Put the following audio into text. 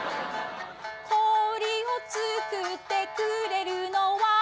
氷を作ってくれるのは